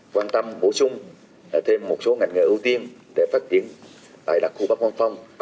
quan tâm bổ sung thêm một số ngành nghề ưu tiên để phát triển tại đặc khu bắc quang phong